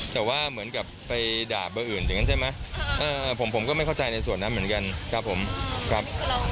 แต่ว่าเหมือนกับไปด่าเบอร์อื่นอย่างนั้นใช่ไหมผมก็ไม่เข้าใจในส่วนนั้นเหมือนกันครับผมครับ